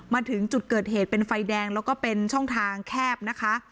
มาถึงจุดเกิดเหตุเป็นไฟแดงแล้วก็เป็นช่องทางแคบนะคะ